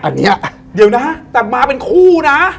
เดี๋ยวนะแต่มาเป็นคู่นะ